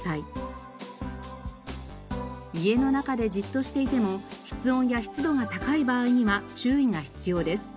家の中でじっとしていても室温や湿度が高い場合には注意が必要です。